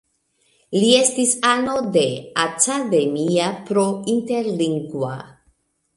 Li estis ano de Academia pro Interlingua.